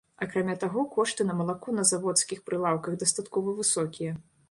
Акрамя таго, кошты на малако на заводскіх прылаўках дастаткова высокія.